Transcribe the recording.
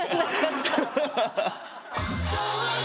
ハハハハ。